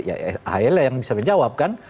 ya hayalah yang bisa menjawab kan